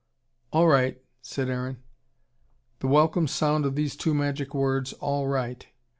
"All right," said Aaron. The welcome sound of these two magic words, All Right!